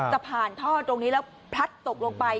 จะผ่านท่อตรงนี้แล้วพลัดตกลงไป